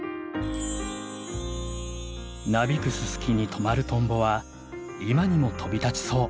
なびくススキに止まるトンボは今にも飛び立ちそう。